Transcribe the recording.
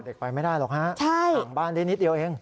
ไปไม่ได้หรอกฮะห่างบ้านได้นิดเดียวเอง